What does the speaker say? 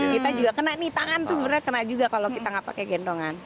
kita juga kena nih tangan tuh sebenarnya kena juga kalau kita nggak pakai gendongan